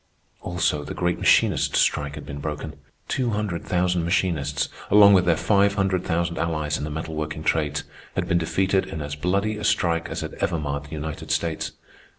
Also, the great machinist strike had been broken. Two hundred thousand machinists, along with their five hundred thousand allies in the metalworking trades, had been defeated in as bloody a strike as had ever marred the United States.